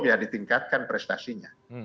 ya ditingkatkan prestasinya